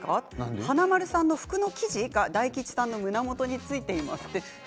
華丸さんの服の生地が大吉さんの胸元についています。